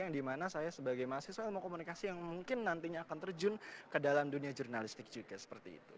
yang dimana saya sebagai mahasiswa ilmu komunikasi yang mungkin nantinya akan terjun ke dalam dunia jurnalistik juga seperti itu